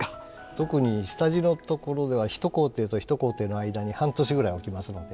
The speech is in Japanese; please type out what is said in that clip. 特に下地のところが一工程と一工程の間に半年ぐらい置きますので。